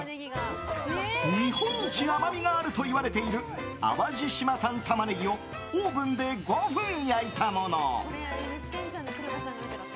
日本一甘みがあるといわれている淡路島産タマネギをオーブンで５分、焼いたもの。